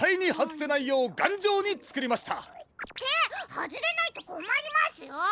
はずれないとこまりますよ。